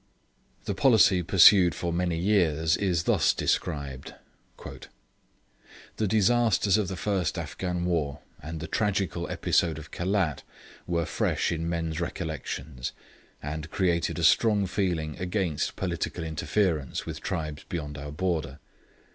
The policy pursued for many years is thus described: 'The disasters of the first Afghan war, and the tragical episode of Khelat, were fresh in men's recollections, and created a strong feeling against political interference with tribes beyond our border'....